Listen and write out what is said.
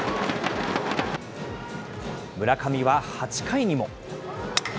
村上は８回にも。